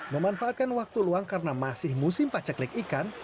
memanfaatkan waktu luang karena masih musim paceklik ikan